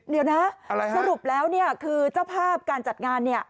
เดี๋ยวนะสรุปแล้วคือเจ้าภาพการจัดงาน